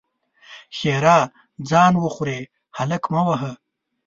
ښېرا: ځان وخورې؛ هلک مه وهه!